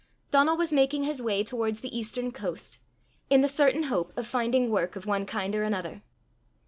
Donal was making his way towards the eastern coast, in the certain hope of finding work of one kind or another.